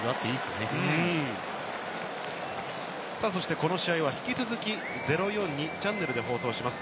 この試合は引き続き、０４２ｃｈで放送します。